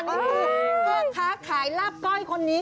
นี่คือพ่อค้าขายลาบก้อยคนนี้